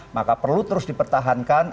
maka perlu terus dipertahankan